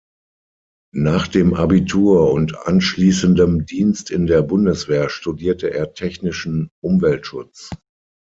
Nach dem Abitur und anschließendem Dienst in der Bundeswehr studierte er Technischen Umweltschutz.